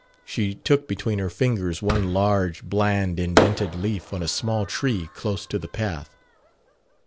She took between her fingers one large, bland indented leaf on a small tree close to the path.